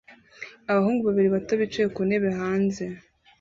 Abahungu babiri bato bicaye ku ntebe hanze